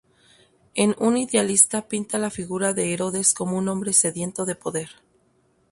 En "Un idealista" pinta la figura de Herodes como un hombre sediento de poder.